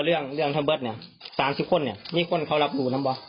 เรื่องเรื่องทำเบิร์ตเนี่ย๓๐คนเนี่ยมีคนเขารับรู้นะว่า